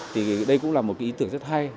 thì đây cũng là một cái ý tưởng rất hay